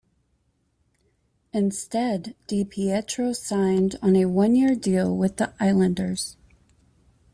Instead, DiPietro signed on a one-year deal with the Islanders.